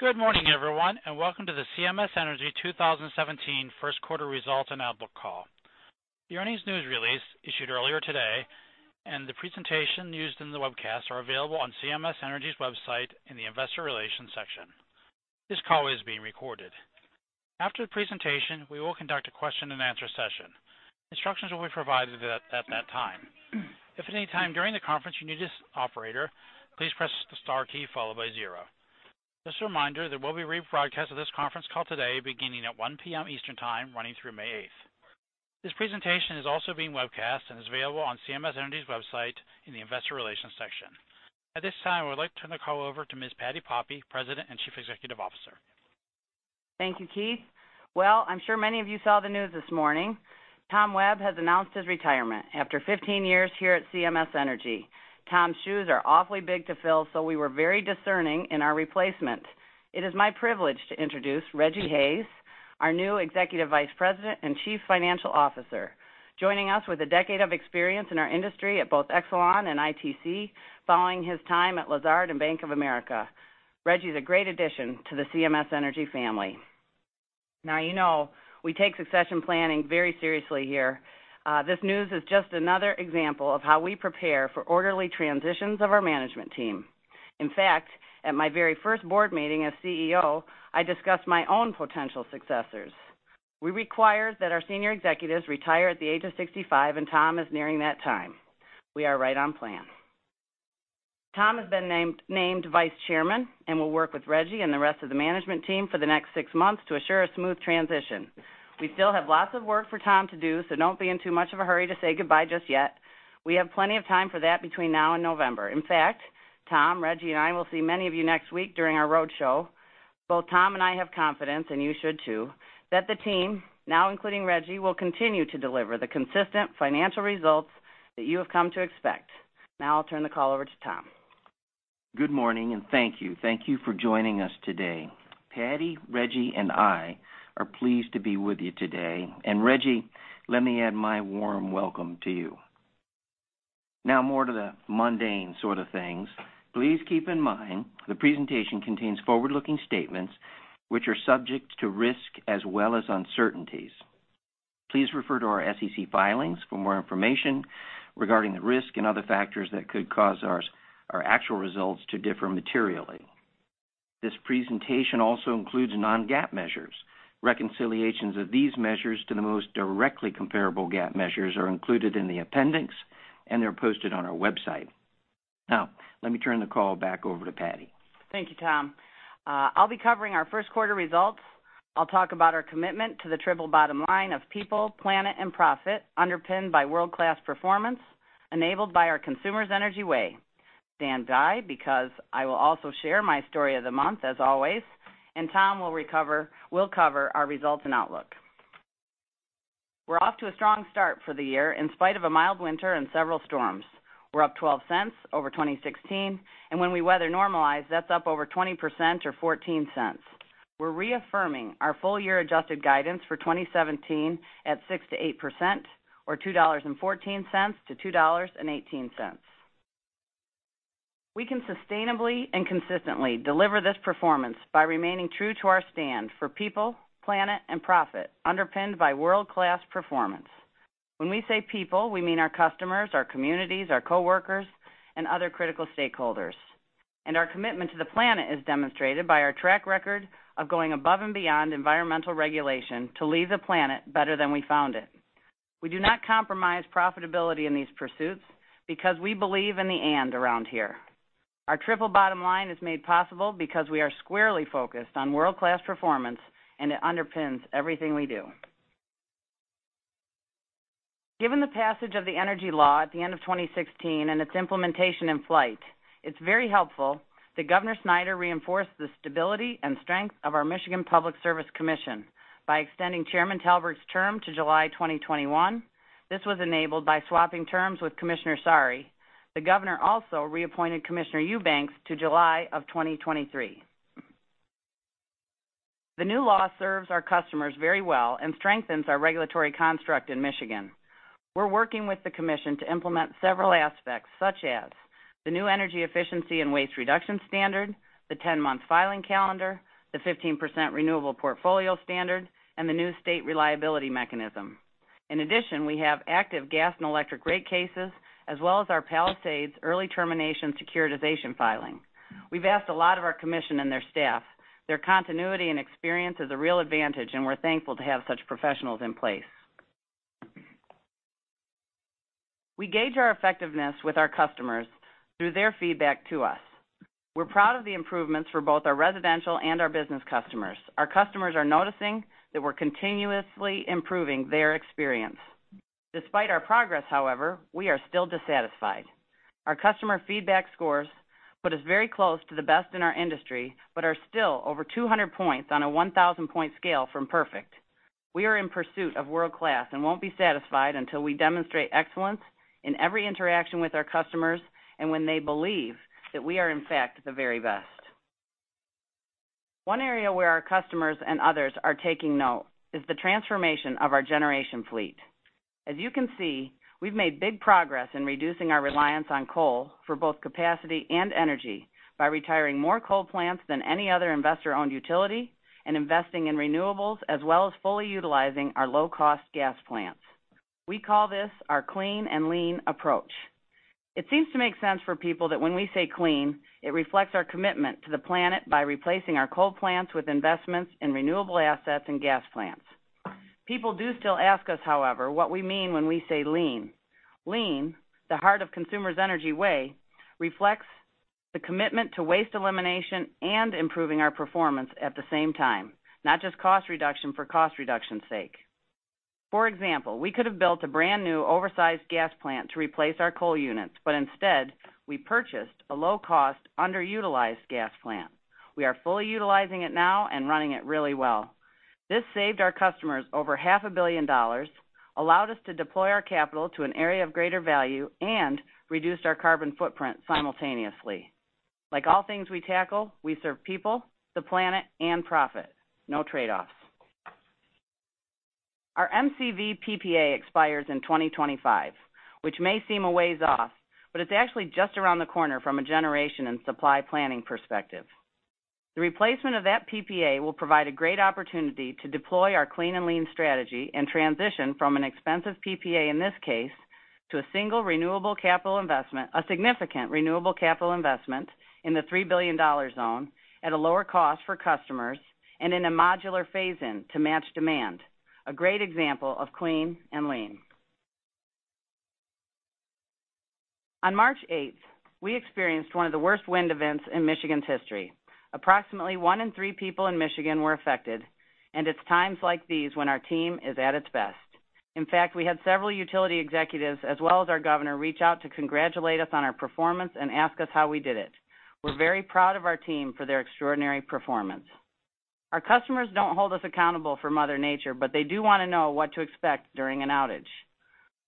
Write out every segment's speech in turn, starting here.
Good morning, everyone. Welcome to the CMS Energy 2017 first quarter results and outlook call. The earnings news release issued earlier today. The presentation used in the webcast are available on CMS Energy's website in the investor relations section. This call is being recorded. After the presentation, we will conduct a question and answer session. Instructions will be provided at that time. If at any time during the conference you need the operator, please press the star key followed by zero. Just a reminder, there will be rebroadcast of this conference call today beginning at 1:00 P.M. Eastern Time, running through May 8th. This presentation is also being webcast and is available on CMS Energy's website in the investor relations section. At this time, I would like to turn the call over to Ms. Patti Poppe, President and Chief Executive Officer. Thank you, Keith. Well, I'm sure many of you saw the news this morning. Tom Webb has announced his retirement after 15 years here at CMS Energy. Tom's shoes are awfully big to fill, so we were very discerning in our replacement. It is my privilege to introduce Rejji Hayes, our new Executive Vice President and Chief Financial Officer, joining us with a decade of experience in our industry at both Exelon and ITC, following his time at Lazard and Bank of America. Rejji is a great addition to the CMS Energy family. You know we take succession planning very seriously here. This news is just another example of how we prepare for orderly transitions of our management team. In fact, at my very first board meeting as CEO, I discussed my own potential successors. We require that our senior executives retire at the age of 65. Tom is nearing that time. We are right on plan. Tom has been named Vice Chairman and will work with Rejji and the rest of the management team for the next six months to assure a smooth transition. We still have lots of work for Tom to do, so don't be in too much of a hurry to say goodbye just yet. We have plenty of time for that between now and November. In fact, Tom, Rejji, and I will see many of you next week during our road show. Both Tom and I have confidence, and you should too, that the team, now including Rejji, will continue to deliver the consistent financial results that you have come to expect. I'll turn the call over to Tom. Good morning. Thank you. Thank you for joining us today. Patti, Rejji, and I are pleased to be with you today. Rejji, let me add my warm welcome to you. More to the mundane sort of things. Please keep in mind the presentation contains forward-looking statements which are subject to risk as well as uncertainties. Please refer to our SEC filings for more information regarding the risk and other factors that could cause our actual results to differ materially. This presentation also includes non-GAAP measures. Reconciliations of these measures to the most directly comparable GAAP measures are included in the appendix, and they're posted on our website. Let me turn the call back over to Patti. Thank you, Tom. I'll be covering our first quarter results. I'll talk about our commitment to the triple bottom line of people, planet, and profit, underpinned by world-class performance, enabled by our Consumers Energy Way. Stand by, because I will also share my story of the month as always, and Tom will cover our results and outlook. We're off to a strong start for the year in spite of a mild winter and several storms. We're up $0.12 over 2016, and when we weather normalize, that's up over 20% or $0.14. We're reaffirming our full year adjusted guidance for 2017 at 6%-8% or $2.14 to $2.18. We can sustainably and consistently deliver this performance by remaining true to our stand for people, planet, and profit, underpinned by world-class performance. When we say people, we mean our customers, our communities, our coworkers, and other critical stakeholders. Our commitment to the planet is demonstrated by our track record of going above and beyond environmental regulation to leave the planet better than we found it. We do not compromise profitability in these pursuits because we believe in the "and" around here. Our triple bottom line is made possible because we are squarely focused on world-class performance, and it underpins everything we do. Given the passage of the energy law at the end of 2016 and its implementation in flight, it's very helpful that Governor Snyder reinforced the stability and strength of our Michigan Public Service Commission by extending Chairman Talberg's term to July 2021. This was enabled by swapping terms with Commissioner Saari. The governor also reappointed Commissioner Eubanks to July of 2023. The new law serves our customers very well and strengthens our regulatory construct in Michigan. We're working with the commission to implement several aspects, such as the new energy efficiency and waste reduction standard, the 10-month filing calendar, the 15% Renewable Portfolio Standard, and the new state reliability mechanism. In addition, we have active gas and electric rate cases, as well as our Palisades early termination securitization filing. We've asked a lot of our commission and their staff. Their continuity and experience is a real advantage, and we're thankful to have such professionals in place. We gauge our effectiveness with our customers through their feedback to us. We're proud of the improvements for both our residential and our business customers. Our customers are noticing that we're continuously improving their experience. Despite our progress, however, we are still dissatisfied. Our customer feedback scores put us very close to the best in our industry, but are still over 200 points on a 1,000-point scale from perfect. We are in pursuit of world-class and won't be satisfied until we demonstrate excellence in every interaction with our customers and when they believe that we are, in fact, the very best. One area where our customers and others are taking note is the transformation of our generation fleet. As you can see, we've made big progress in reducing our reliance on coal for both capacity and energy by retiring more coal plants than any other investor-owned utility, investing in renewables, as well as fully utilizing our low-cost gas plants. We call this our clean and lean approach. It seems to make sense for people that when we say clean, it reflects our commitment to the planet by replacing our coal plants with investments in renewable assets and gas plants. People do still ask us, however, what we mean when we say lean. Lean, the heart of Consumers Energy Way, reflects the commitment to waste elimination and improving our performance at the same time, not just cost reduction for cost reduction's sake. For example, we could have built a brand-new oversized gas plant to replace our coal units, but instead, we purchased a low-cost, underutilized gas plant. We are fully utilizing it now and running it really well. This saved our customers over half a billion dollars, allowed us to deploy our capital to an area of greater value, and reduced our carbon footprint simultaneously. Like all things we tackle, we serve people, the planet, and profit. No trade-offs. Our MCV PPA expires in 2025, which may seem a ways off, but it's actually just around the corner from a generation and supply planning perspective. The replacement of that PPA will provide a great opportunity to deploy our clean and lean strategy and transition from an expensive PPA, in this case, to a single renewable capital investment, a significant renewable capital investment in the $3 billion zone at a lower cost for customers and in a modular phase-in to match demand. A great example of clean and lean. On March 8th, we experienced one of the worst wind events in Michigan's history. Approximately one in three people in Michigan were affected, and it's times like these when our team is at its best. In fact, we had several utility executives, as well as our governor, reach out to congratulate us on our performance and ask us how we did it. We're very proud of our team for their extraordinary performance. Our customers don't hold us accountable for mother nature, but they do want to know what to expect during an outage.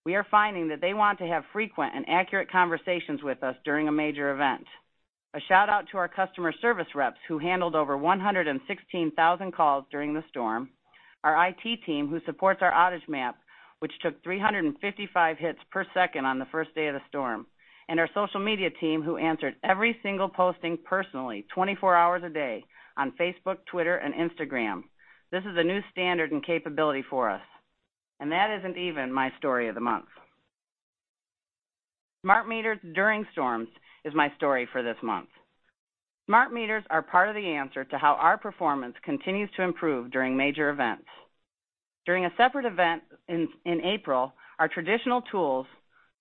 We are finding that they want to have frequent and accurate conversations with us during a major event. A shout-out to our customer service reps who handled over 116,000 calls during the storm, our IT team who supports our outage map, which took 355 hits per second on the first day of the storm, and our social media team who answered every single posting personally 24 hours a day on Facebook, Twitter, and Instagram. This is a new standard and capability for us, and that isn't even my story of the month. Smart meters during storms is my story for this month. Smart meters are part of the answer to how our performance continues to improve during major events. During a separate event in April, our traditional tools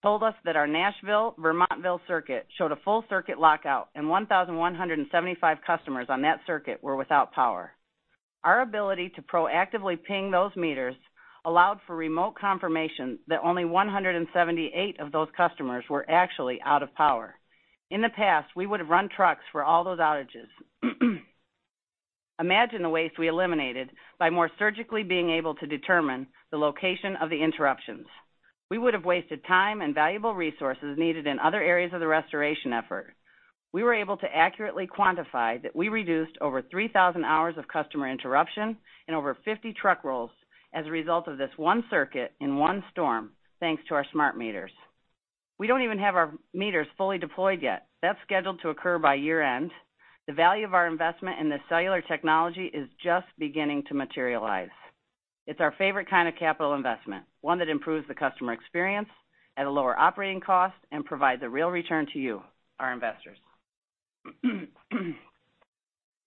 told us that our Nashville-Vermontville circuit showed a full circuit lockout and 1,175 customers on that circuit were without power. Our ability to proactively ping those meters allowed for remote confirmation that only 178 of those customers were actually out of power. In the past, we would have run trucks for all those outages. Imagine the waste we eliminated by more surgically being able to determine the location of the interruptions. We would have wasted time and valuable resources needed in other areas of the restoration effort. We were able to accurately quantify that we reduced over 3,000 hours of customer interruption and over 50 truck rolls as a result of this one circuit in one storm, thanks to our smart meters. We don't even have our meters fully deployed yet. That's scheduled to occur by year-end. The value of our investment in this cellular technology is just beginning to materialize. It's our favorite kind of capital investment, one that improves the customer experience at a lower operating cost and provides a real return to you, our investors.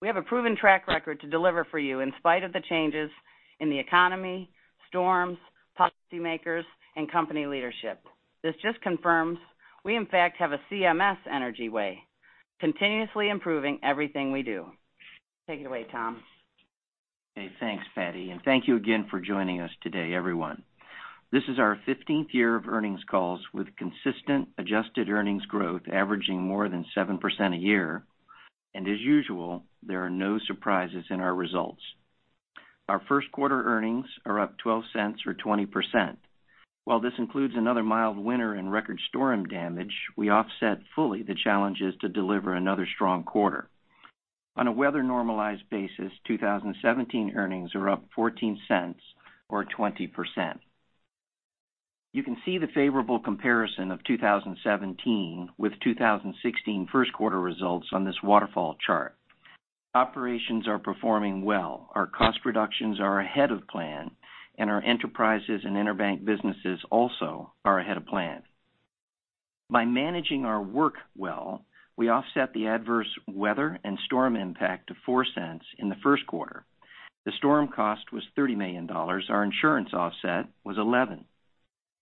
We have a proven track record to deliver for you in spite of the changes in the economy, storms, policymakers, and company leadership. This just confirms we in fact have a Consumers Energy Way, continuously improving everything we do. Take it away, Tom. Hey, thanks, Patti. Thank you again for joining us today, everyone. This is our 15th year of earnings calls with consistent adjusted earnings growth averaging more than 7% a year. As usual, there are no surprises in our results. Our first quarter earnings are up $0.12 or 20%. While this includes another mild winter and record storm damage, we offset fully the challenges to deliver another strong quarter. On a weather-normalized basis, 2017 earnings are up $0.14 or 20%. You can see the favorable comparison of 2017 with 2016 first-quarter results on this waterfall chart. Operations are performing well. Our cost reductions are ahead of plan, and our enterprises and EnerBank businesses also are ahead of plan. By managing our work well, we offset the adverse weather and storm impact to $0.04 in the first quarter. The storm cost was $30 million. Our insurance offset was $11.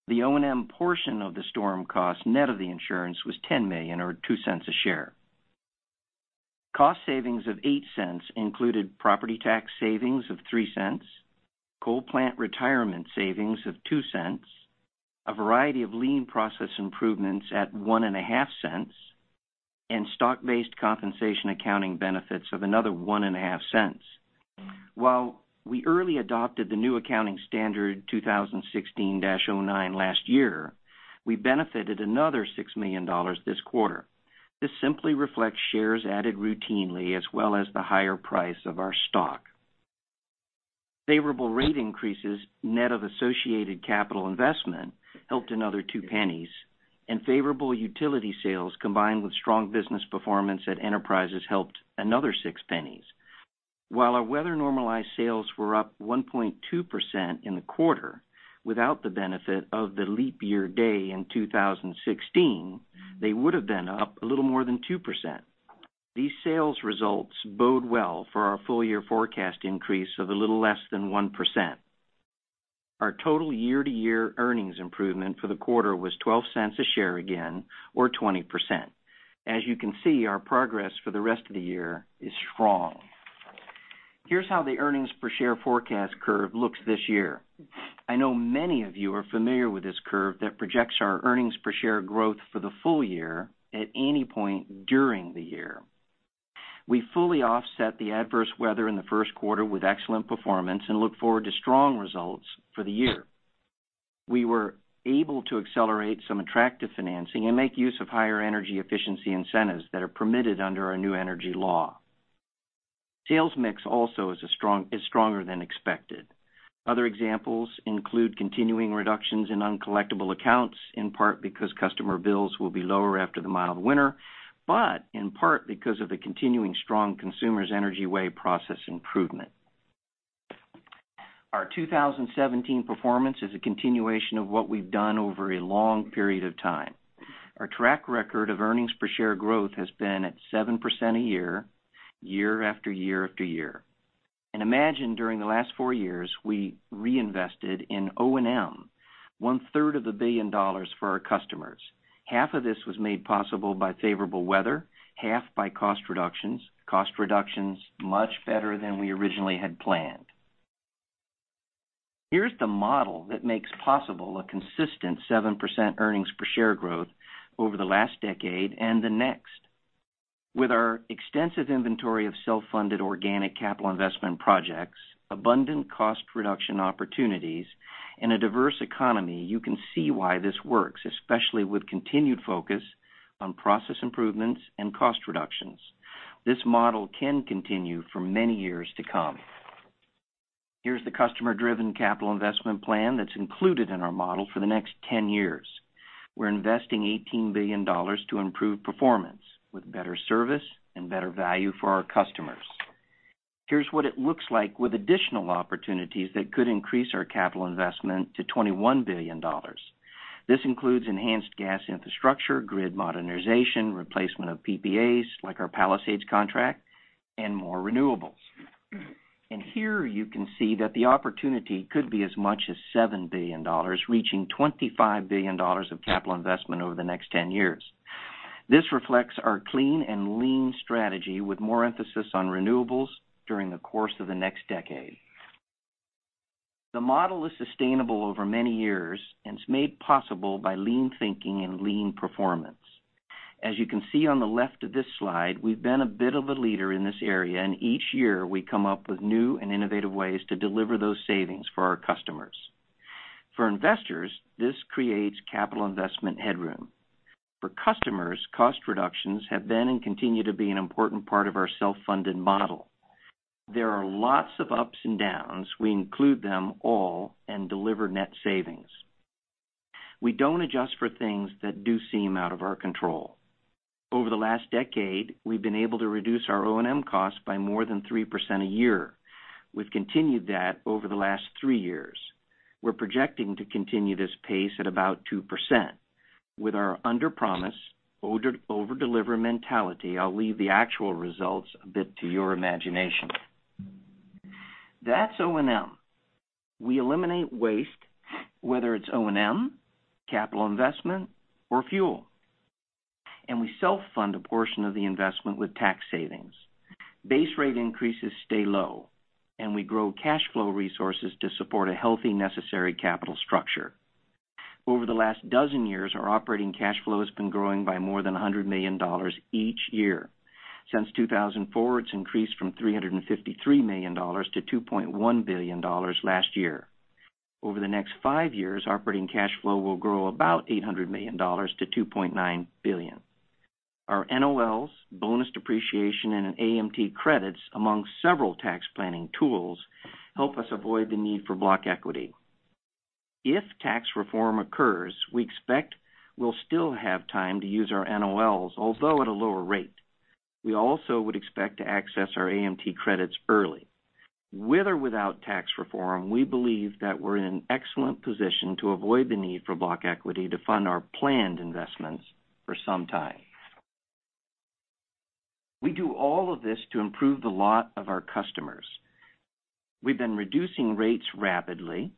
The O&M portion of the storm cost net of the insurance was $10 million or $0.02 a share. Cost savings of $0.08 included property tax savings of $0.03, coal plant retirement savings of $0.02, a variety of lean process improvements at $0.015, and stock-based compensation accounting benefits of another $0.015. We early adopted the new accounting standard ASU 2016-09 last year, we benefited another $6 million this quarter. This simply reflects shares added routinely as well as the higher price of our stock. Favorable rate increases, net of associated capital investment, helped another $0.02, and favorable utility sales, combined with strong business performance at enterprises, helped another $0.06. Our weather-normalized sales were up 1.2% in the quarter. Without the benefit of the leap year day in 2016, they would've been up a little more than 2%. These sales results bode well for our full-year forecast increase of a little less than 1%. Our total year-to-year earnings improvement for the quarter was $0.12 a share again, or 20%. You can see, our progress for the rest of the year is strong. Here's how the earnings per share forecast curve looks this year. I know many of you are familiar with this curve that projects our earnings per share growth for the full year at any point during the year. We fully offset the adverse weather in the first quarter with excellent performance and look forward to strong results for the year. We were able to accelerate some attractive financing and make use of higher energy efficiency incentives that are permitted under our new energy law. Sales mix also is stronger than expected. Other examples include continuing reductions in uncollectible accounts, in part because customer bills will be lower after the mild winter, but in part because of the continuing strong Consumers Energy Way process improvement. Our 2017 performance is a continuation of what we've done over a long period of time. Our track record of earnings per share growth has been at 7% a year after year after year. Imagine, during the last four years, we reinvested in O&M one-third of a billion dollars for our customers. Half of this was made possible by favorable weather, half by cost reductions, cost reductions much better than we originally had planned. Here's the model that makes possible a consistent 7% earnings per share growth over the last decade and the next. With our extensive inventory of self-funded organic capital investment projects, abundant cost reduction opportunities, and a diverse economy, you can see why this works, especially with continued focus on process improvements and cost reductions. This model can continue for many years to come. Here's the customer-driven capital investment plan that's included in our model for the next 10 years. We're investing $18 billion to improve performance with better service and better value for our customers. Here's what it looks like with additional opportunities that could increase our capital investment to $21 billion. This includes enhanced gas infrastructure, grid modernization, replacement of PPAs, like our Palisades contract, and more renewables. Here you can see that the opportunity could be as much as $7 billion, reaching $25 billion of capital investment over the next 10 years. This reflects our clean and lean strategy with more emphasis on renewables during the course of the next decade. The model is sustainable over many years and it's made possible by lean thinking and lean performance. As you can see on the left of this slide, we've been a bit of a leader in this area, and each year we come up with new and innovative ways to deliver those savings for our customers. For investors, this creates capital investment headroom. For customers, cost reductions have been and continue to be an important part of our self-funded model. There are lots of ups and downs. We include them all and deliver net savings. We don't adjust for things that do seem out of our control. Over the last decade, we've been able to reduce our O&M costs by more than 3% a year. We've continued that over the last three years. We're projecting to continue this pace at about 2%. With our underpromise, overdeliver mentality, I'll leave the actual results a bit to your imagination. That's O&M. We eliminate waste, whether it's O&M, capital investment, or fuel, and we self-fund a portion of the investment with tax savings. Base rate increases stay low, and we grow cash flow resources to support a healthy, necessary capital structure. Over the last dozen years, our operating cash flow has been growing by more than $100 million each year. Since 2004, it's increased from $353 million to $2.1 billion last year. Over the next five years, operating cash flow will grow about $800 million to $2.9 billion. Our NOLs, bonus depreciation, and AMT credits, among several tax planning tools, help us avoid the need for block equity. If tax reform occurs, we expect we'll still have time to use our NOLs, although at a lower rate. We also would expect to access our AMT credits early. With or without tax reform, we believe that we're in an excellent position to avoid the need for block equity to fund our planned investments for some time. We do all of this to improve the lot of our customers. We've been reducing rates rapidly.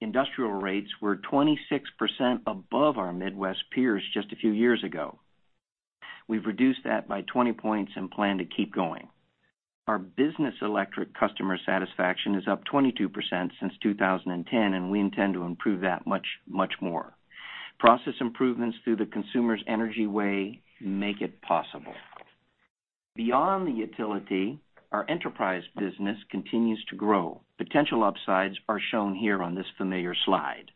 Industrial rates were 26% above our Midwest peers just a few years ago. We've reduced that by 20 points and plan to keep going. Our business electric customer satisfaction is up 22% since 2010, and we intend to improve that much, much more. Process improvements through the Consumers Energy Way make it possible. Beyond the utility, our enterprise business continues to grow. Potential upsides are shown here on this familiar slide.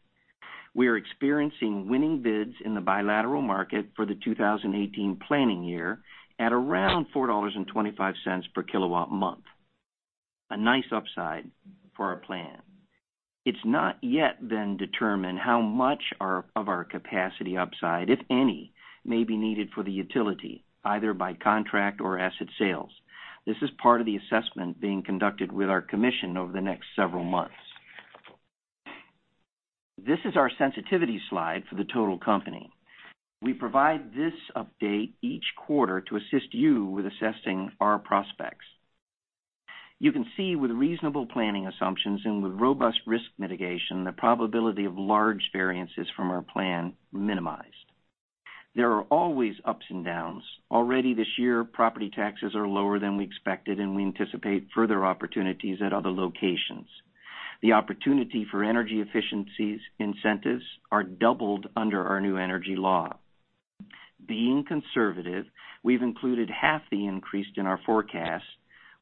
We are experiencing winning bids in the bilateral market for the 2018 planning year at around $4.25 per kilowatt month. A nice upside for our plan. It's not yet then determined how much of our capacity upside, if any, may be needed for the utility, either by contract or asset sales. This is part of the assessment being conducted with our commission over the next several months. This is our sensitivity slide for the total company. We provide this update each quarter to assist you with assessing our prospects. You can see with reasonable planning assumptions and with robust risk mitigation, the probability of large variances from our plan minimized. There are always ups and downs. Already this year, property taxes are lower than we expected, and we anticipate further opportunities at other locations. The opportunity for energy efficiencies incentives are doubled under our new energy law. Being conservative, we've included half the increase in our forecast,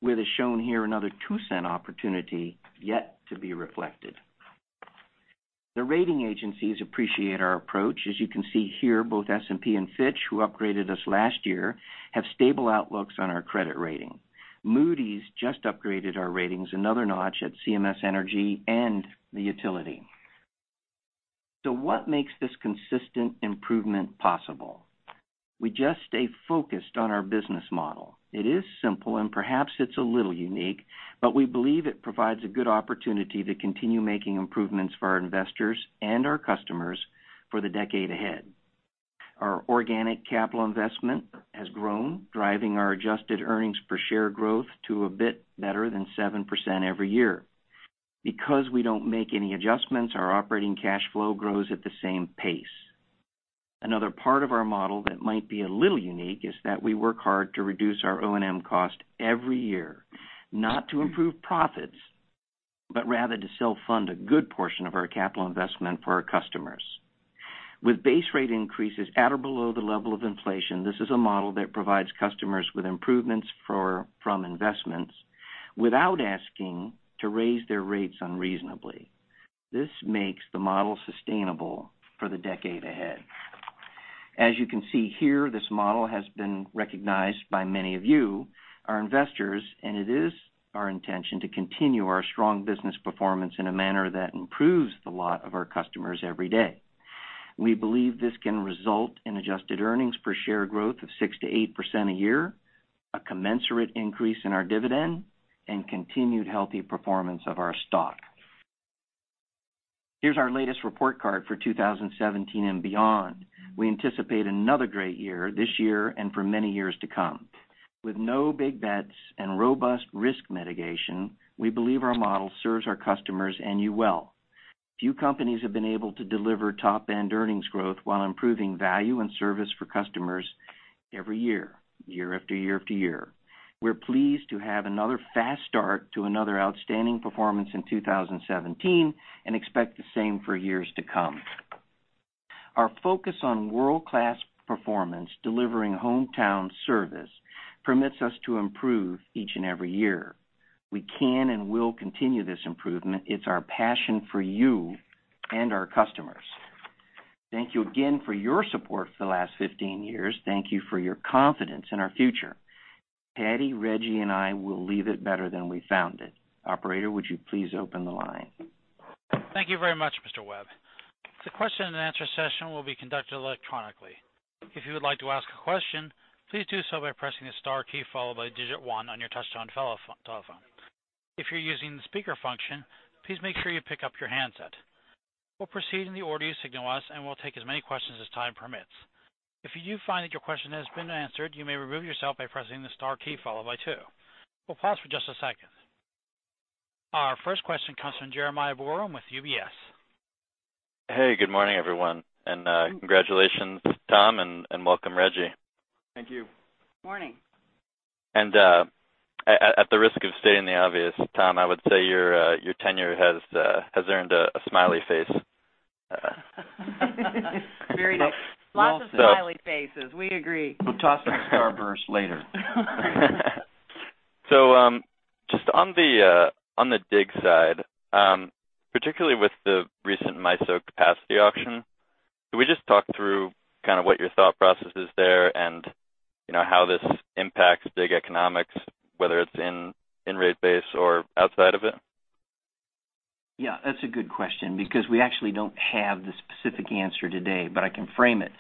with, as shown here, another $0.02 opportunity yet to be reflected. The rating agencies appreciate our approach. As you can see here, both S&P and Fitch, who upgraded us last year, have stable outlooks on our credit rating. Moody's just upgraded our ratings another notch at CMS Energy and the utility. What makes this consistent improvement possible? We just stay focused on our business model. It is simple, and perhaps it's a little unique, but we believe it provides a good opportunity to continue making improvements for our investors and our customers for the decade ahead. Our organic capital investment has grown, driving our adjusted earnings per share growth to a bit better than 7% every year. Because we don't make any adjustments, our operating cash flow grows at the same pace. Another part of our model that might be a little unique is that we work hard to reduce our O&M cost every year, not to improve profits, but rather to self-fund a good portion of our capital investment for our customers. With base rate increases at or below the level of inflation, this is a model that provides customers with improvements from investments without asking to raise their rates unreasonably. This makes the model sustainable for the decade ahead. As you can see here, this model has been recognized by many of you, our investors, and it is our intention to continue our strong business performance in a manner that improves the lot of our customers every day. We believe this can result in adjusted earnings per share growth of 6%-8% a year, a commensurate increase in our dividend, and continued healthy performance of our stock. Here's our latest report card for 2017 and beyond. We anticipate another great year this year and for many years to come. With no big bets and robust risk mitigation, we believe our model serves our customers and you well. Few companies have been able to deliver top-end earnings growth while improving value and service for customers every year after year after year. We're pleased to have another fast start to another outstanding performance in 2017 and expect the same for years to come. Our focus on world-class performance delivering hometown service permits us to improve each and every year. We can and will continue this improvement. It's our passion for you and our customers. Thank you again for your support for the last 15 years. Thank you for your confidence in our future. Patti, Rejji, and I will leave it better than we found it. Operator, would you please open the line? Thank you very much, Mr. Webb. The question and answer session will be conducted electronically. If you would like to ask a question, please do so by pressing the star key followed by digit one on your touchtone telephone. If you're using the speaker function, please make sure you pick up your handset. We'll proceed in the order you signal us, and we'll take as many questions as time permits. If you do find that your question has been answered, you may remove yourself by pressing the star key followed by two. We'll pause for just a second. Our first question comes from Julien Dumoulin-Smith with UBS. Hey, good morning, everyone, and congratulations, Tom, and welcome, Rejji. Thank you. Morning. At the risk of stating the obvious, Tom, I would say your tenure has earned a smiley face. Very- Well- Lots of smiley faces. We agree. We'll toss the Starburst later. just on the DIG side, particularly with the recent MISO capacity auction, can we just talk through kind of what your thought process is there and, you know, how this impacts DIG economics, whether it's in rate base or outside of it? That's a good question because we actually don't have the specific answer today, but I can frame it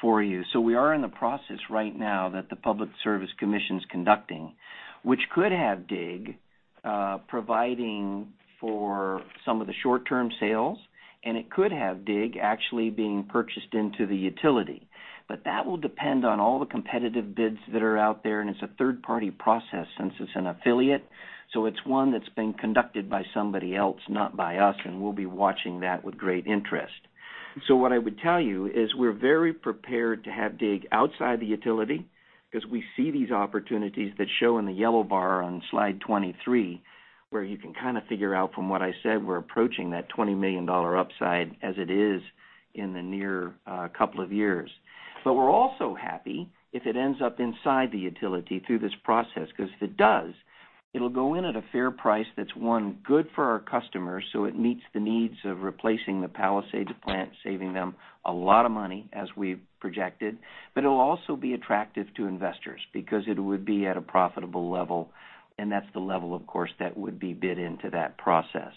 for you. We are in the process right now that the Public Service Commission's conducting, which could have DIG providing for some of the short-term sales, and it could have DIG actually being purchased into the utility. That will depend on all the competitive bids that are out there, and it's a third-party process since it's an affiliate, it's one that's being conducted by somebody else, not by us, and we'll be watching that with great interest. What I would tell you is we're very prepared to have DIG outside the utility because we see these opportunities that show in the yellow bar on slide 23- Where you can kind of figure out from what I said, we're approaching that $20 million upside as it is in the near couple of years. We're also happy if it ends up inside the utility through this process, because if it does, it'll go in at a fair price that's, one, good for our customers, it meets the needs of replacing the Palisades plant, saving them a lot of money, as we've projected. It'll also be attractive to investors because it would be at a profitable level, and that's the level, of course, that would be bid into that process.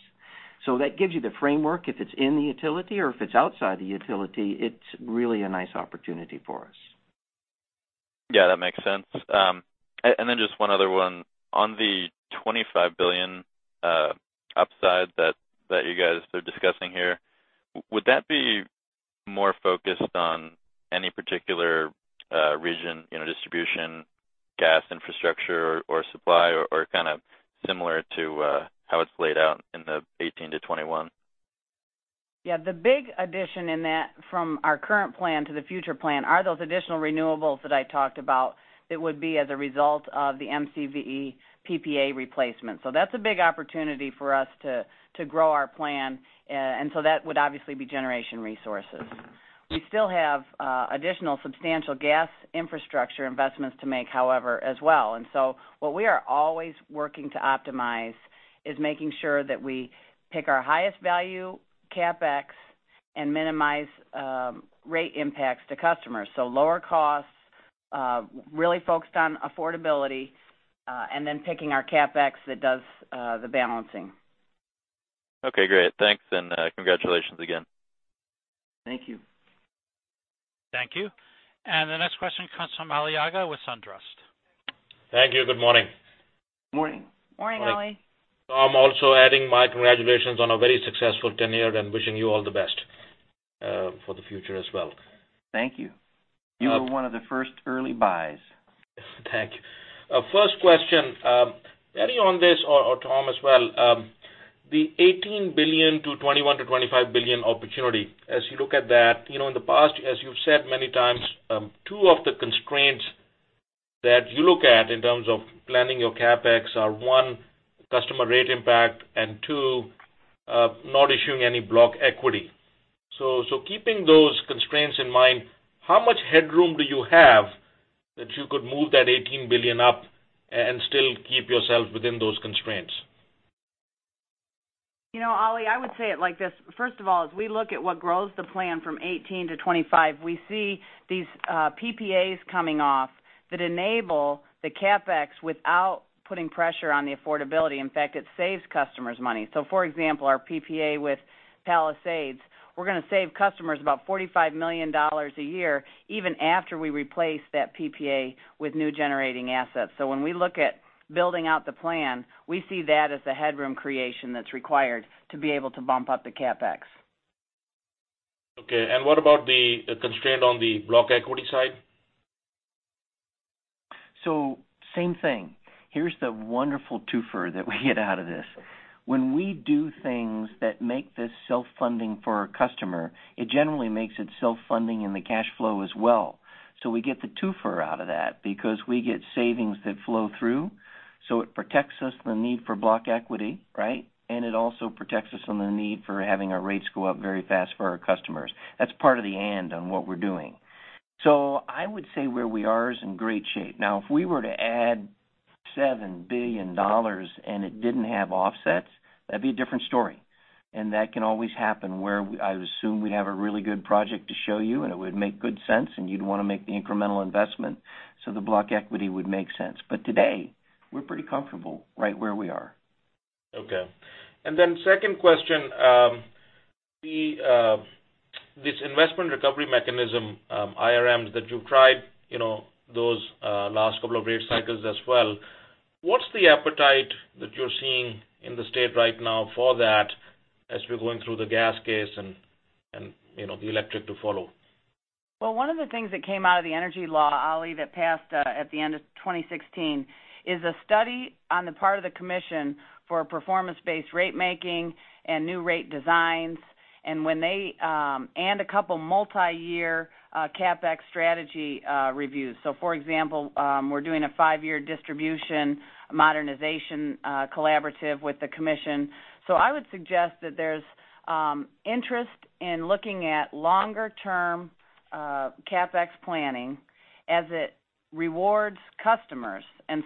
That gives you the framework. If it's in the utility or if it's outside the utility, it's really a nice opportunity for us. Yeah, that makes sense. Then just one other one. On the $25 billion upside that you guys are discussing here, would that be more focused on any particular region, distribution, gas infrastructure or supply, or kind of similar to how it's laid out in the 2018 to 2021? Yeah, the big addition in that from our current plan to the future plan are those additional renewables that I talked about that would be as a result of the MCV PPA replacement. That's a big opportunity for us to grow our plan. That would obviously be generation resources. We still have additional substantial gas infrastructure investments to make, however, as well. What we are always working to optimize is making sure that we pick our highest value CapEx and minimize rate impacts to customers. Lower costs, really focused on affordability, and then picking our CapEx that does the balancing. Okay, great. Thanks, and congratulations again. Thank you. Thank you. The next question comes from Ali Agha with SunTrust. Thank you. Good morning. Morning. Morning, Ali. Tom, also adding my congratulations on a very successful tenure and wishing you all the best for the future as well. Thank you. You were one of the first early buys. Thank you. First question. Patti on this or Tom as well, the $18 billion-$21 billion-$25 billion opportunity, as you look at that, in the past, as you've said many times, two of the constraints that you look at in terms of planning your CapEx are, one, customer rate impact, and two, not issuing any block equity. Keeping those constraints in mind, how much headroom do you have that you could move that $18 billion up and still keep yourself within those constraints? Ali, I would say it like this. First of all, as we look at what grows the plan from $18 billion to $25 billion, we see these PPAs coming off that enable the CapEx without putting pressure on the affordability. In fact, it saves customers money. For example, our PPA with Palisades, we're going to save customers about $45 million a year even after we replace that PPA with new generating assets. When we look at building out the plan, we see that as the headroom creation that's required to be able to bump up the CapEx. Okay, what about the constraint on the block equity side? Same thing. Here's the wonderful twofer that we get out of this. When we do things that make this self-funding for our customer, it generally makes it self-funding in the cash flow as well. We get the twofer out of that because we get savings that flow through, so it protects us the need for block equity, right? It also protects us on the need for having our rates go up very fast for our customers. That's part of the and on what we're doing. I would say where we are is in great shape. Now, if we were to add $7 billion and it didn't have offsets, that'd be a different story. That can always happen where I assume we'd have a really good project to show you, it would make good sense, you'd want to make the incremental investment, so the block equity would make sense. Today, we're pretty comfortable right where we are. Okay. Second question, this investment recovery mechanism, IRM, that you've tried those last couple of rate cycles as well. What's the appetite that you're seeing in the state right now for that as we're going through the gas case and the electric to follow? One of the things that came out of the energy law, Ali, that passed at the end of 2016 is a study on the part of the commission for performance-based rate making and new rate designs. A couple multi-year CapEx strategy reviews. For example, we're doing a five-year distribution modernization collaborative with the commission. I would suggest that there's interest in looking at longer term CapEx planning as it rewards customers.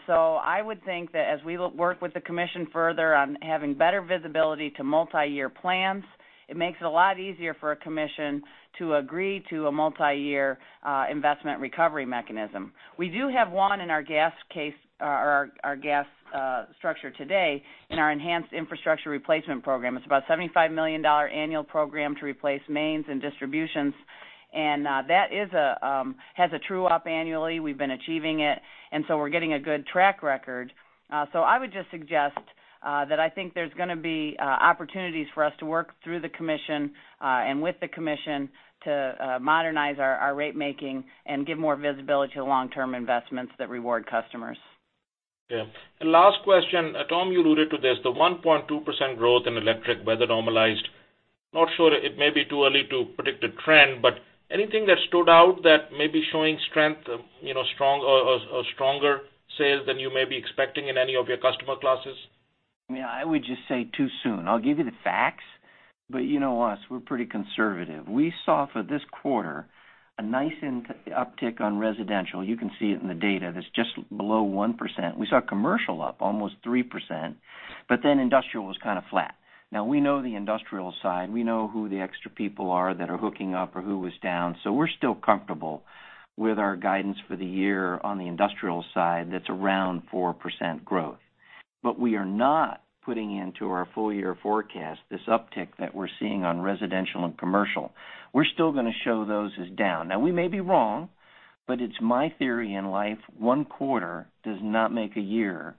I would think that as we work with the commission further on having better visibility to multi-year plans, it makes it a lot easier for a commission to agree to a multi-year investment recovery mechanism. We do have one in our gas case or our gas structure today in our Enhanced Infrastructure Replacement Program. It's about $75 million annual program to replace mains and distributions. That has a true-up annually. We've been achieving it, we're getting a good track record. I would just suggest that I think there's going to be opportunities for us to work through the commission and with the commission to modernize our rate making and give more visibility to long-term investments that reward customers. Yeah. Last question. Tom, you alluded to this, the 1.2% growth in electric weather normalized. Not sure. It may be too early to predict a trend, anything that stood out that may be showing strength, or stronger sales than you may be expecting in any of your customer classes? I would just say too soon. I'll give you the facts, you know us, we're pretty conservative. We saw for this quarter a nice uptick on residential. You can see it in the data that's just below 1%. We saw commercial up almost 3%, industrial was kind of flat. We know the industrial side. We know who the extra people are that are hooking up or who was down, we're still comfortable with our guidance for the year on the industrial side, that's around 4% growth. We are not putting into our full-year forecast this uptick that we're seeing on residential and commercial. We're still going to show those as down. We may be wrong, it's my theory in life, one quarter does not make a year,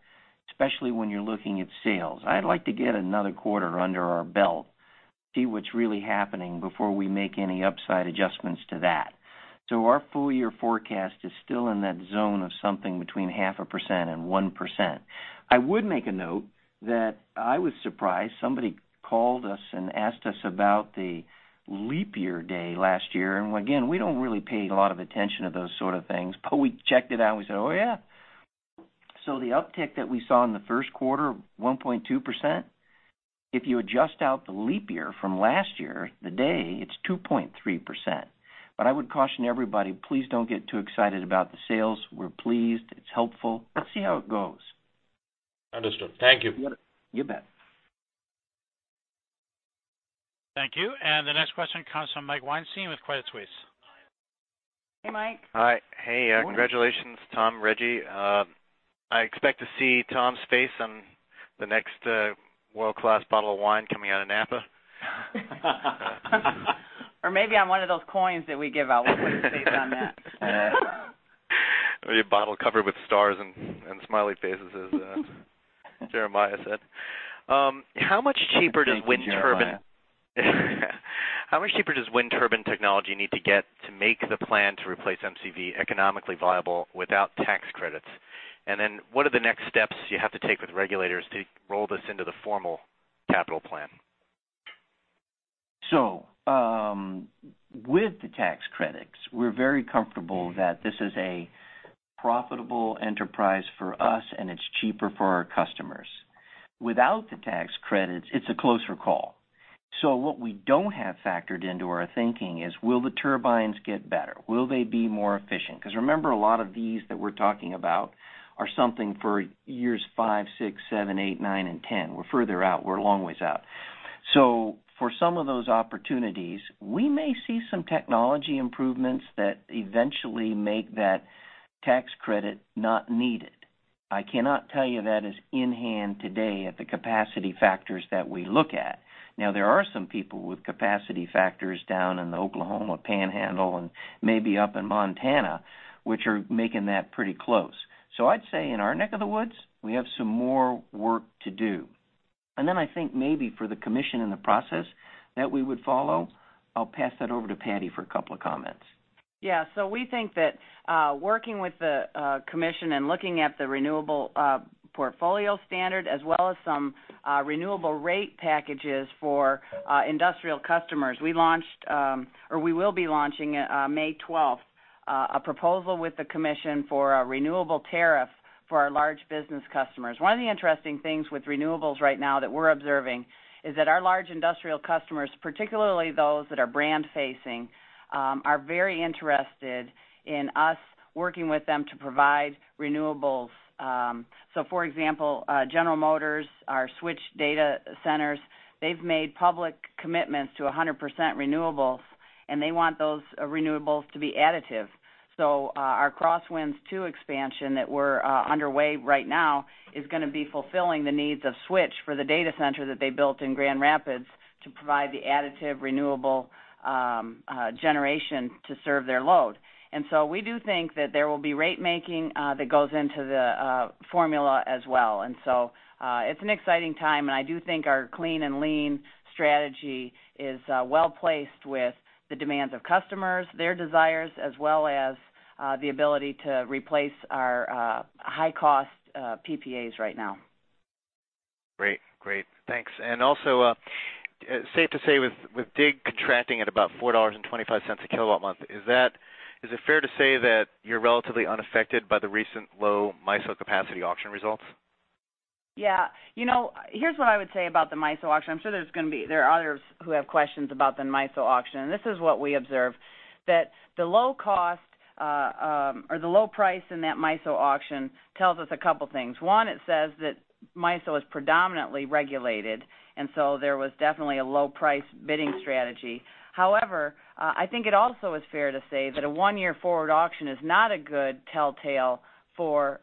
especially when you're looking at sales. I'd like to get another quarter under our belt, see what's really happening before we make any upside adjustments to that. Our full-year forecast is still in that zone of something between half a percent and 1%. I would make a note that I was surprised. Somebody called us and asked us about the leap year day last year. We don't really pay a lot of attention to those sort of things, we checked it out and we said, "Oh, yeah." The uptick that we saw in the first quarter, 1.2%, if you adjust out the leap year from last year, the day, it's 2.3%. I would caution everybody, please don't get too excited about the sales. We're pleased. It's helpful. Let's see how it goes. Understood. Thank you. You bet. Thank you. The next question comes from Michael Weinstein with Credit Suisse. Hey, Mike. Hi. Hey. Good morning. Congratulations, Tom, Rejji. I expect to see Tom's face on the next world-class bottle of wine coming out of Napa. Maybe on one of those coins that we give out. We'll put his face on that. Or your bottle covered with stars and smiley faces, as Julien said. Thank you, Julien. How much cheaper does wind turbine technology need to get to make the plan to replace MCV economically viable without tax credits? Then what are the next steps you have to take with regulators to roll this into the formal capital plan? With the tax credits, we're very comfortable that this is a profitable enterprise for us, and it's cheaper for our customers. Without the tax credits, it's a closer call. What we don't have factored into our thinking is, will the turbines get better? Will they be more efficient? Remember, a lot of these that we're talking about are something for years five, six, seven, eight, nine, and ten. We're further out. We're a long ways out. For some of those opportunities, we may see some technology improvements that eventually make that tax credit not needed. I cannot tell you that is in hand today at the capacity factors that we look at. There are some people with capacity factors down in the Oklahoma Panhandle and maybe up in Montana, which are making that pretty close. I'd say in our neck of the woods, we have some more work to do. I think maybe for the commission and the process that we would follow, I'll pass that over to Patti for a couple of comments. Yeah. We think that working with the commission and looking at the Renewable Portfolio Standard, as well as some renewable rate packages for industrial customers. We will be launching on May 12th, a proposal with the commission for a renewable tariff for our large business customers. One of the interesting things with renewables right now that we're observing is that our large industrial customers, particularly those that are brand-facing, are very interested in us working with them to provide renewables. For example, General Motors, our Switch data centers, they've made public commitments to 100% renewables, and they want those renewables to be additive. Our Cross Winds 2 expansion that we're underway right now is going to be fulfilling the needs of Switch for the data center that they built in Grand Rapids to provide the additive renewable generation to serve their load. We do think that there will be rate-making that goes into the formula as well. It's an exciting time, and I do think our clean-and-lean strategy is well-placed with the demands of customers, their desires, as well as the ability to replace our high-cost PPAs right now. Great. Thanks. Also, safe to say with DIG contracting at about $4.25 a kilowatt month, is it fair to say that you're relatively unaffected by the recent low MISO capacity auction results? Yeah. Here's what I would say about the MISO auction. I'm sure there are others who have questions about the MISO auction, this is what we observe, that the low cost or the low price in that MISO auction tells us a couple things. One, it says that MISO is predominantly regulated, there was definitely a low-price bidding strategy. However, I think it also is fair to say that a one-year forward auction is not a good telltale for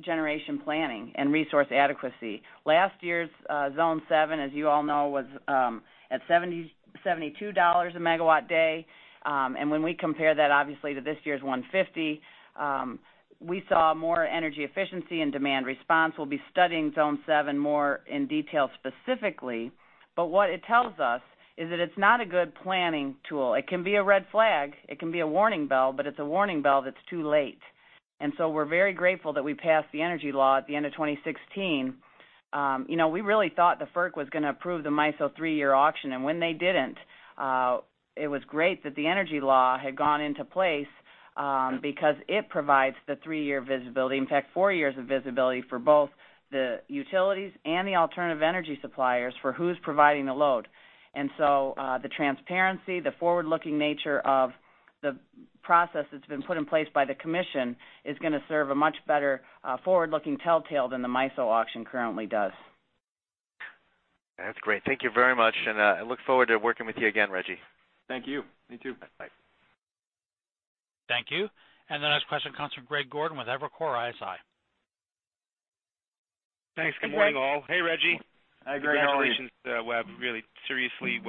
generation planning and resource adequacy. Last year's Zone 7, as you all know, was at $72 a megawatt day. When we compare that obviously to this year's $150, we saw more energy efficiency and demand response. We'll be studying Zone 7 more in detail specifically. What it tells us is that it's not a good planning tool. It can be a red flag. It can be a warning bell, but it's a warning bell that's too late. We're very grateful that we passed the energy law at the end of 2016. We really thought the FERC was going to approve the MISO three-year auction, when they didn't, it was great that the energy law had gone into place, because it provides the three-year visibility. In fact, four years of visibility for both the utilities and the alternative energy suppliers for who's providing the load. The transparency, the forward-looking nature of the process that's been put in place by the Commission is going to serve a much better forward-looking telltale than the MISO auction currently does. That's great. Thank you very much, I look forward to working with you again, Rejji. Thank you. Me too. Bye. Thank you. The next question comes from Greg Gordon with Evercore ISI. Thanks. Good morning all. Hey, Reggie. Hi, Greg. How are you? Congratulations. Really, seriously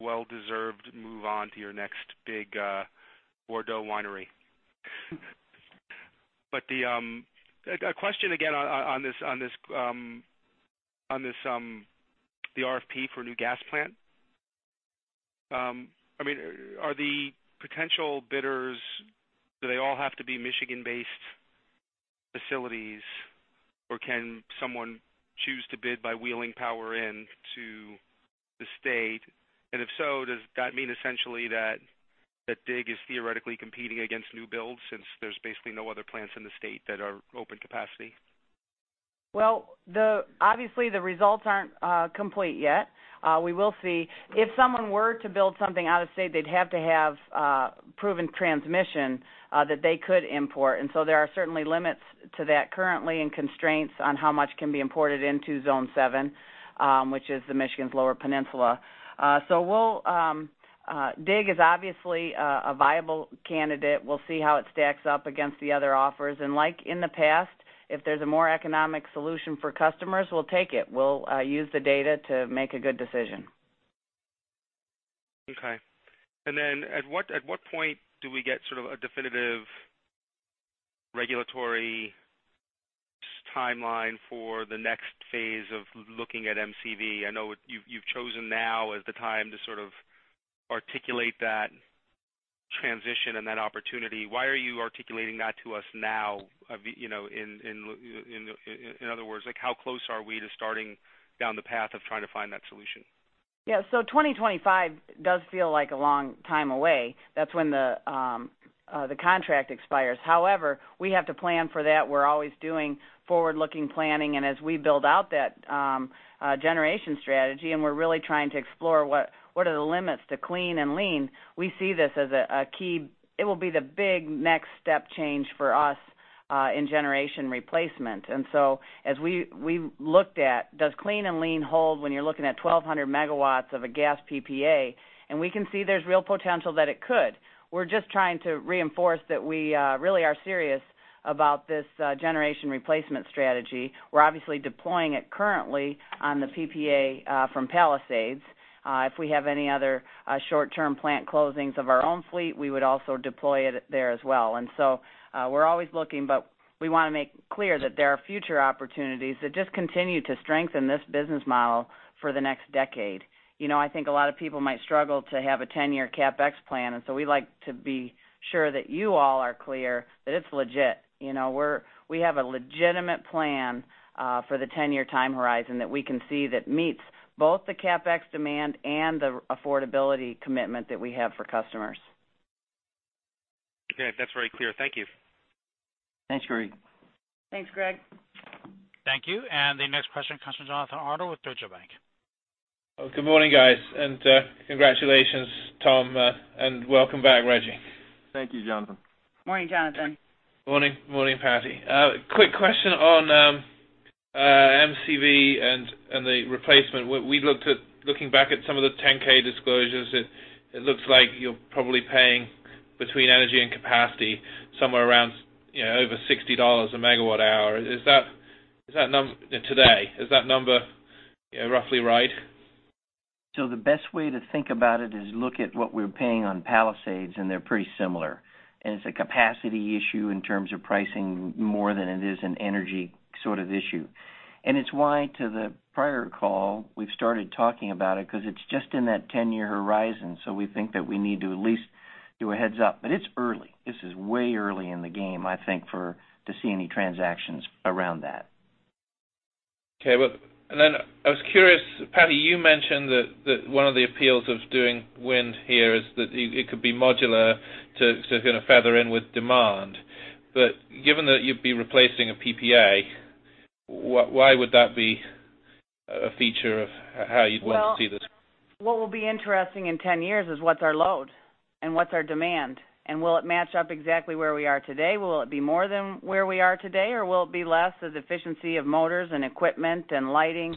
well-deserved move on to your next big Bordeaux winery. A question again on the RFP for a new gas plant. Are the potential bidders, do they all have to be Michigan-based facilities, or can someone choose to bid by wheeling power into the state? If so, does that mean essentially that DIG is theoretically competing against new builds since there's basically no other plants in the state that are open capacity? Obviously the results aren't complete yet. We will see. If someone were to build something out of state, they'd have to have proven transmission that they could import. So there are certainly limits to that currently, and constraints on how much can be imported into Zone 7, which is Michigan's Lower Peninsula. DIG is obviously a viable candidate. We'll see how it stacks up against the other offers. Like in the past, if there's a more economic solution for customers, we'll take it. We'll use the data to make a good decision. Okay. Then at what point do we get sort of a definitive regulatory timeline for the next phase of looking at MCV? I know you've chosen now as the time to sort of articulate that transition and that opportunity. Why are you articulating that to us now? In other words, how close are we to starting down the path of trying to find that solution? Yeah. 2025 does feel like a long time away. That's when the contract expires. However, we have to plan for that. We're always doing forward-looking planning, as we build out that generation strategy, and we're really trying to explore what are the limits to clean and lean. We see this as a key. It will be the big next step change for us in generation replacement. So as we looked at does clean and lean hold when you're looking at 1,200 megawatts of a gas PPA, we can see there's real potential that it could. We're just trying to reinforce that we really are serious about this generation replacement strategy. We're obviously deploying it currently on the PPA from Palisades. If we have any other short-term plant closings of our own fleet, we would also deploy it there as well. So, we're always looking, but we want to make clear that there are future opportunities that just continue to strengthen this business model for the next decade. I think a lot of people might struggle to have a 10-year CapEx plan, so we like to be sure that you all are clear that it's legit. We have a legitimate plan for the 10-year time horizon that we can see that meets both the CapEx demand and the affordability commitment that we have for customers. Okay. That's very clear. Thank you. Thanks, Greg. Thanks, Greg. Thank you. The next question comes from Jonathan Arnold with Deutsche Bank. Good morning, guys, and congratulations, Tom, and welcome back, Reggie. Thank you, Jonathan. Morning, Jonathan. Morning, Patty. Quick question on MCV and the replacement. Looking back at some of the 10-K disclosures, it looks like you're probably paying between energy and capacity somewhere around over $60 a megawatt hour. Today, is that number roughly right? The best way to think about it is look at what we're paying on Palisades, they're pretty similar. It's a capacity issue in terms of pricing more than it is an energy sort of issue. It's why, to the prior call, we've started talking about it, because it's just in that 10-year horizon. We think that we need to at least do a heads-up. It's early. This is way early in the game, I think, to see any transactions around that. Okay. I was curious, Patti, you mentioned that one of the appeals of doing wind here is that it could be modular to sort of feather in with demand. Given that you'd be replacing a PPA, why would that be a feature of how you'd want to see this? What will be interesting in 10 years is what's our load and what's our demand, will it match up exactly where we are today? Will it be more than where we are today, or will it be less as efficiency of motors and equipment and lighting?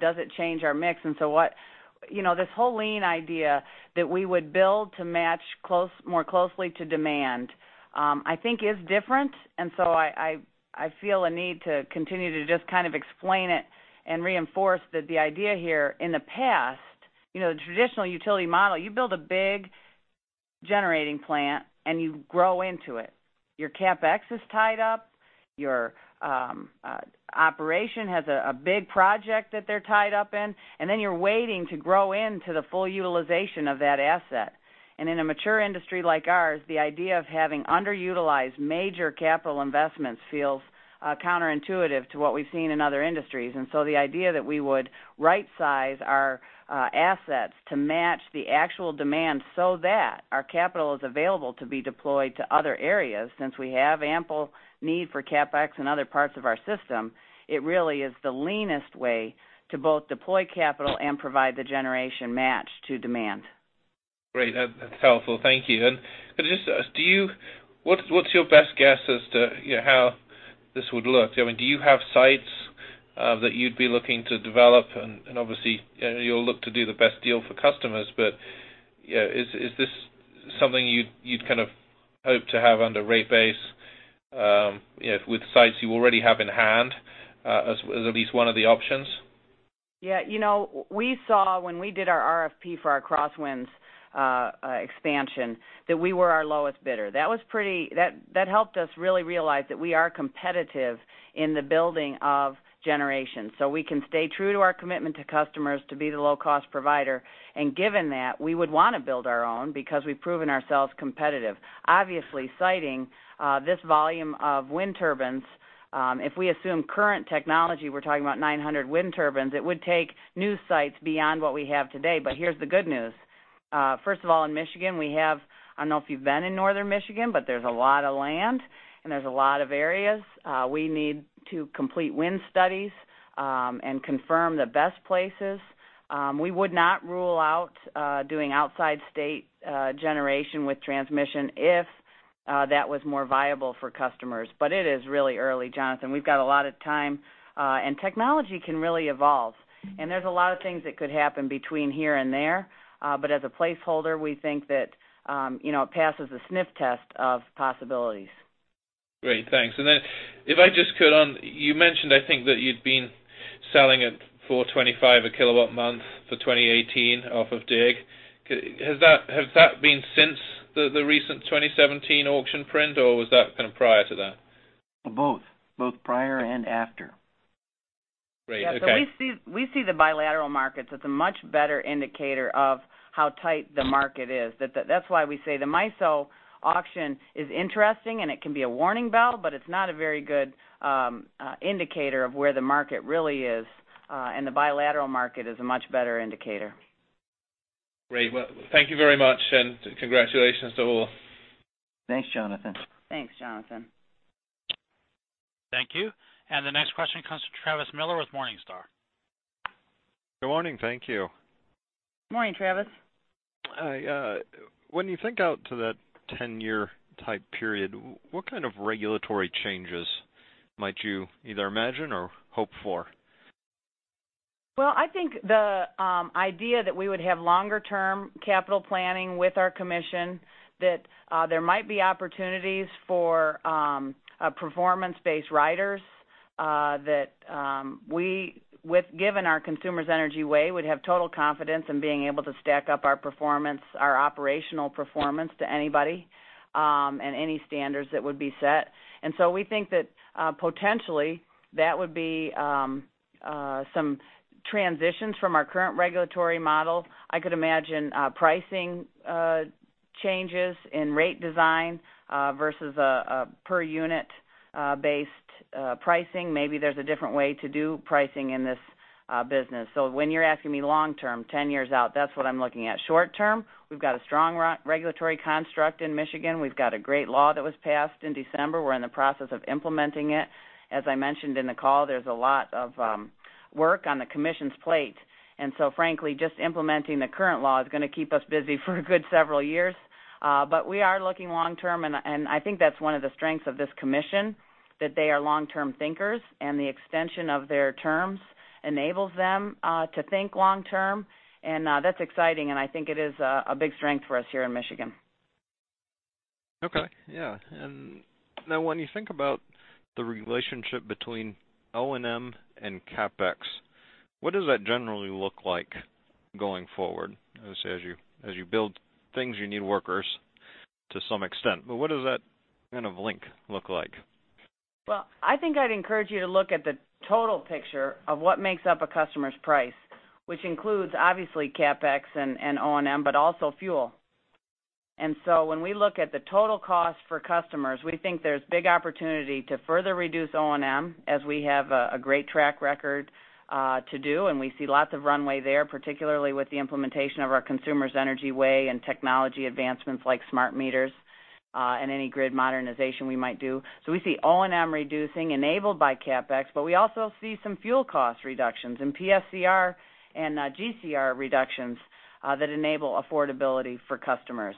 Does it change our mix? This whole lean idea that we would build to match more closely to demand, I think is different, I feel a need to continue to just kind of explain it and reinforce that the idea here, in the past, the traditional utility model, you build a big generating plant, you grow into it. Your CapEx is tied up. Your operation has a big project that they're tied up in, you're waiting to grow into the full utilization of that asset. In a mature industry like ours, the idea of having underutilized major capital investments feels counterintuitive to what we've seen in other industries. The idea that we would right size our assets to match the actual demand so that our capital is available to be deployed to other areas, since we have ample need for CapEx in other parts of our system, it really is the leanest way to both deploy capital and provide the generation match to demand. Great. That's helpful. Thank you. Could I just ask, what's your best guess as to how this would look? Do you have sites that you'd be looking to develop? Obviously, you'll look to do the best deal for customers, but is this something you'd kind of hope to have under rate base with sites you already have in hand as at least one of the options? Yeah. We saw when we did our RFP for our Cross Winds expansion, that we were our lowest bidder. That helped us really realize that we are competitive in the building of generation. We can stay true to our commitment to customers to be the low-cost provider. Given that, we would want to build our own because we've proven ourselves competitive. Obviously, citing this volume of wind turbines, if we assume current technology, we're talking about 900 wind turbines. It would take new sites beyond what we have today. Here's the good news. First of all, in Michigan, we have I don't know if you've been in Northern Michigan, but there's a lot of land, and there's a lot of areas. We need to complete wind studies, and confirm the best places. We would not rule out doing outside state generation with transmission if that was more viable for customers. It is really early, Jonathan. We've got a lot of time, and technology can really evolve. There's a lot of things that could happen between here and there. As a placeholder, we think that it passes the sniff test of possibilities. Great. Thanks. Then if I just could on, you mentioned, I think, that you'd been selling at $425 a kilowatt month for 2018 off of DIG. Has that been since the recent 2017 auction print, or was that kind of prior to that? Both. Both prior and after. Great. Okay. Yeah. We see the bilateral markets as a much better indicator of how tight the market is. That's why we say the MISO auction is interesting, and it can be a warning bell, but it's not a very good indicator of where the market really is. The bilateral market is a much better indicator. Great. Well, thank you very much. Congratulations to all. Thanks, Jonathan. Thanks, Jonathan. Thank you. The next question comes from Travis Miller with Morningstar. Good morning. Thank you. Morning, Travis. When you think out to that 10-year type period, what kind of regulatory changes might you either imagine or hope for? Well, I think the idea that we would have longer-term capital planning with our Commission, that there might be opportunities for performance-based riders, that with given our Consumers Energy Way, we'd have total confidence in being able to stack up our performance, our operational performance to anybody, and any standards that would be set. We think that potentially that would be some transitions from our current regulatory model. I could imagine pricing changes in rate design versus a per unit based pricing. Maybe there's a different way to do pricing in this business. When you're asking me long-term, 10 years out, that's what I'm looking at. Short-term, we've got a strong regulatory construct in Michigan. We've got a great law that was passed in December. We're in the process of implementing it. As I mentioned in the call, there's a lot of work on the Commission's plate. Frankly, just implementing the current law is going to keep us busy for a good several years. We are looking long-term, and I think that's one of the strengths of this Commission, that they are long-term thinkers. The extension of their terms enables them to think long-term, and that's exciting, and I think it is a big strength for us here in Michigan. Okay. Yeah. Now when you think about the relationship between O&M and CapEx, what does that generally look like going forward? As you build things, you need workers to some extent, but what does that kind of link look like? Well, I think I'd encourage you to look at the total picture of what makes up a customer's price, which includes, obviously, CapEx and O&M, but also fuel. When we look at the total cost for customers, we think there's big opportunity to further reduce O&M as we have a great track record to do, and we see lots of runway there, particularly with the implementation of our Consumers Energy Way and technology advancements like smart meters, and any grid modernization we might do. We see O&M reducing enabled by CapEx, but we also see some fuel cost reductions and PSCR and GCR reductions that enable affordability for customers.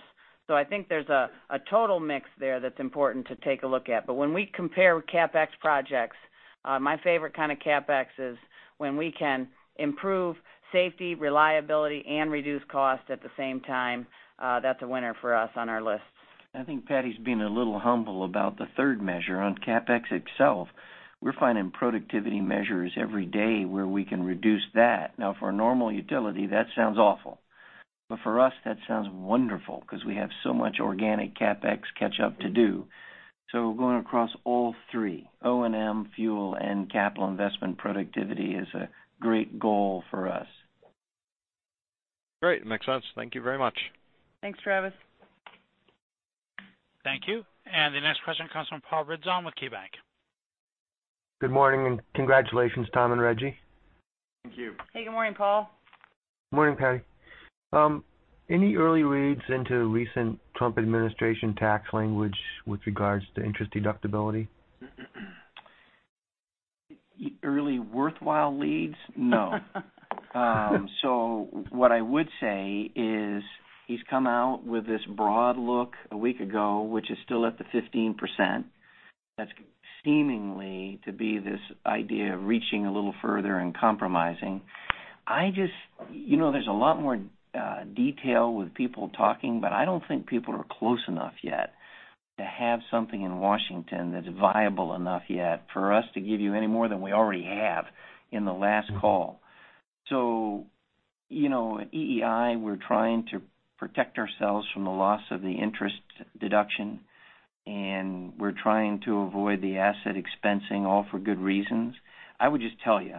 I think there's a total mix there that's important to take a look at. When we compare CapEx projects, my favorite kind of CapEx is when we can improve safety, reliability, and reduce cost at the same time. That's a winner for us on our lists. I think Patti's being a little humble about the third measure on CapEx itself. We're finding productivity measures every day where we can reduce that. Now, for a normal utility, that sounds awful. For us, that sounds wonderful because we have so much organic CapEx catch up to do. We're going across all three, O&M, fuel, and capital investment productivity is a great goal for us. Great. Makes sense. Thank you very much. Thanks, Travis. Thank you. The next question comes from Paul Ridzon with KeyBanc. Good morning and congratulations, Tom and Reggie. Thank you. Hey, good morning, Paul. Morning, Patty. Any early reads into recent Trump administration tax language with regards to interest deductibility? Early worthwhile leads? No. What I would say is he's come out with this broad look a week ago, which is still at the 15%. That's seemingly to be this idea of reaching a little further and compromising. There's a lot more detail with people talking, but I don't think people are close enough yet to have something in Washington that's viable enough yet for us to give you any more than we already have in the last call. At EEI, we're trying to protect ourselves from the loss of the interest deduction, and we're trying to avoid the asset expensing, all for good reasons. I would just tell you,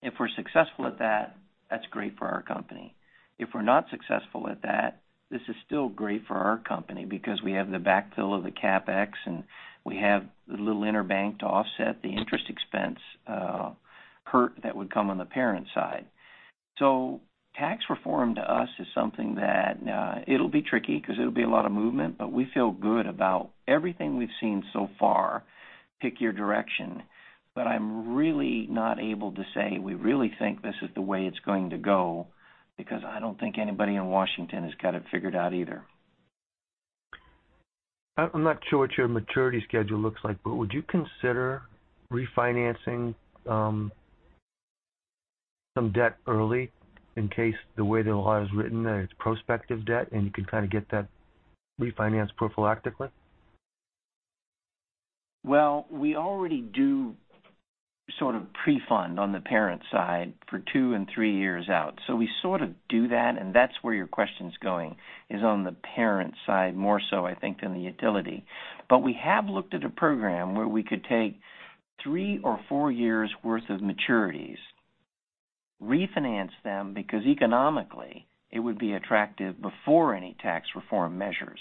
if we're successful at that's great for our company. If we're not successful at that, this is still great for our company because we have the backfill of the CapEx, and we have the little EnerBank to offset the interest expense hurt that would come on the parent side. Tax reform to us is something that it'll be tricky because it'll be a lot of movement, but we feel good about everything we've seen so far. Pick your direction. I'm really not able to say we really think this is the way it's going to go, because I don't think anybody in Washington has got it figured out either. I'm not sure what your maturity schedule looks like, but would you consider refinancing some debt early in case the way the law is written that it's prospective debt, and you can kind of get that refinanced prophylactically? Well, we already do sort of pre-fund on the parent side for two and three years out. We sort of do that, and that's where your question's going, is on the parent side more so, I think, than the utility. We have looked at a program where we could take three or four years' worth of maturities, refinance them, because economically, it would be attractive before any tax reform measures.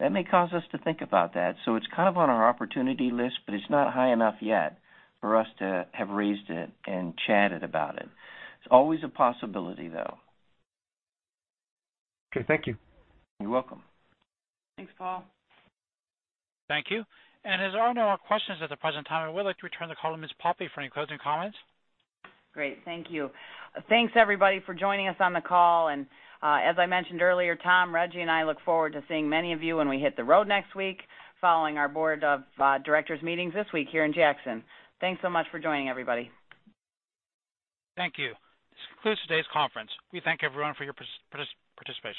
That may cause us to think about that. It's kind of on our opportunity list, but it's not high enough yet for us to have raised it and chatted about it. It's always a possibility, though. Okay. Thank you. You're welcome. Thanks, Paul. Thank you. As there are no more questions at the present time, I would like to return the call to Ms. Poppe for any closing comments. Great. Thank you. Thanks everybody for joining us on the call. As I mentioned earlier, Tom, Reggie, and I look forward to seeing many of you when we hit the road next week following our board of directors meetings this week here in Jackson. Thanks so much for joining, everybody. Thank you. This concludes today's conference. We thank everyone for your participation.